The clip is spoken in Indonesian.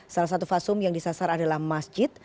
salah satu fasum yang disasar adalah masjid